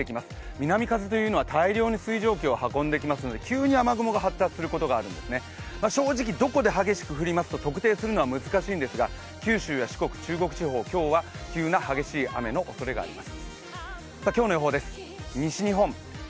南風というのは大量に水蒸気を運んでくるので急に雨雲が発達することがあるんです正直、どこで急に雨が降るのか特定するのは難しいんですが九州や四国、中国地方、今日は急な激しい雨のおそれがあります。